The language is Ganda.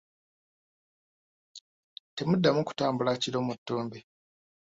Temuddamu kutambula kiro mu ttumbi.